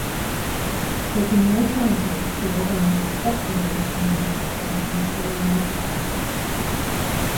Taking no chances, the organizers stopped the race and made preparations for a restart.